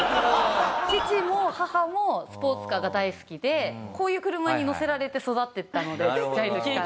父も母もスポーツカーが大好きでこういう車に乗せられて育っていったのでちっちゃい時から。